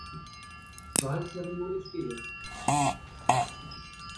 Wahlperiode stehe.